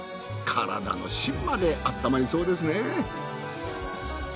体の芯まであったまりそうですね。